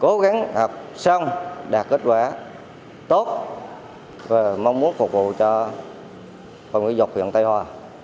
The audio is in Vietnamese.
cố gắng học xong đạt kết quả tốt và mong muốn phục vụ cho hội giáo dục huyện tây hòa